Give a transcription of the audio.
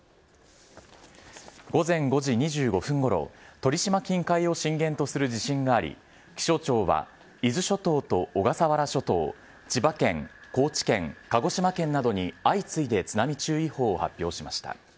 午前５時２５分ごろ、鳥島近海を震源とする地震があり、気象庁は伊豆諸島と小笠原諸島、千葉県、高知県、鹿児島県などに相次いで津波注意報を発表しました。